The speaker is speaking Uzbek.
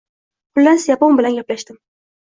Xullas, yapon bilan gaplashdim.